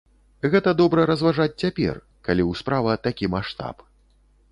Гэта добра разважаць цяпер, калі ў справа такі маштаб.